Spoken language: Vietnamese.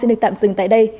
xin được tạm dừng tại đây